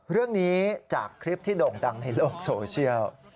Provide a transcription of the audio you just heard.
เรื่องนี้จากคลิปที่โด่งดังในโลกโซเชียล